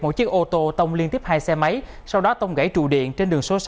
một chiếc ô tô tông liên tiếp hai xe máy sau đó tông gãy trụ điện trên đường số sáu